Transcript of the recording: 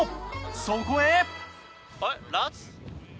そこへ。